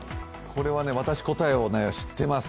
これは私、答えを知っています。